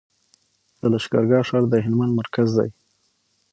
د لښکرګاه ښار د هلمند مرکز دی